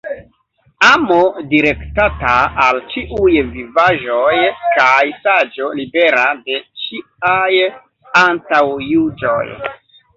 Amo direktata al ĉiuj vivaĵoj kaj saĝo libera de ĉiaj antaŭjuĝoj.